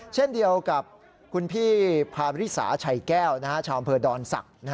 เช่นเดียวกับคุณพี่พาริสาชัยแก้วชาวอำเภอดอนศักดิ์